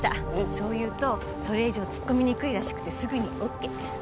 そう言うとそれ以上突っ込みにくいらしくてすぐにオーケー。